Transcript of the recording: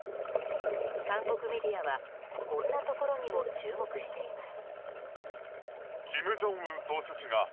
韓国メディアはこんなところにも注目しています。